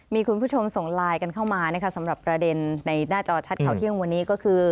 มีคุณผู้ชมส่งไลน์กันเข้ามานะคะสำหรับประเด็นในหน้าจอชัดข่าวเที่ยงวันนี้ก็คือ